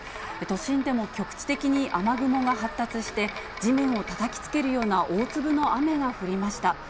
都心でも局地的に雨雲が発達して、地面をたたきつけるような大粒の雨が降りました。